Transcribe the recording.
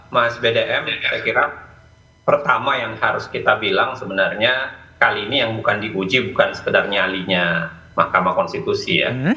mas bdm kira kira pertama yang harus kita bilang sebenarnya kali ini yang bukan diuji bukan sekedar nyalinya mahkamah konstitusi ya